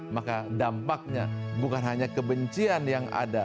maka dampaknya bukan hanya kebencian yang ada